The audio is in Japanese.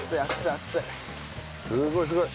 すごいすごい。